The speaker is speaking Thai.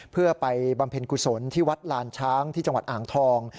เพื่อไปบำเพ็ญกุศลที่วัดลานช้างที่จังหวัดอ่างทอง